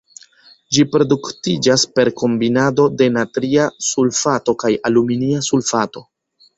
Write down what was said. Ĝi produktiĝas per kombinado de natria sulfato kaj aluminia sulfato.